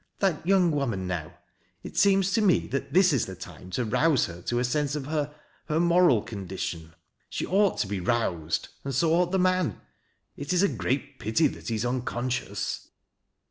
That young woman, now it seems to me that this is the time tx) rouse her to a sense of her — ^her moi*al condition. She onght to be roused, and so ought the man. It is a great pity that he is unconscious."